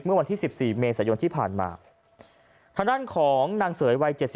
เมื่อวันที่๑๔เมษายนที่ผ่านมาทางด้านของนางเสยวัย๗๐